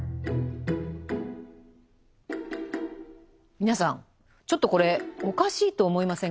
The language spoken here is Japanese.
皆さんちょっとこれおかしいと思いませんか？